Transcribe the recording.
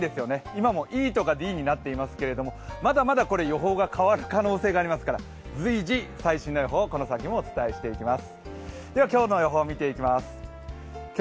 今もＥとかＤになっていますが、まだまだ予報が変わる可能性がありますから随時、最新の予報をお伝えしてていきます。